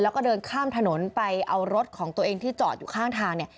แล้วก็เดินข้ามถนนไปเอารถของตัวเองที่จอดอยู่ข้างทางเนี่ย